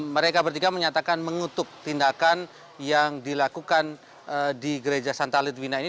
mereka bertiga menyatakan mengutuk tindakan yang dilakukan di gereja santa litwina ini